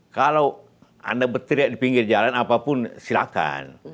kalau anda berteriak di pinggir jalan apapun silahkan